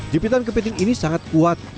jepitan kepiting ini sangat kuat